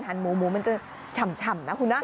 หมูหมูมันจะฉ่ำนะคุณนะ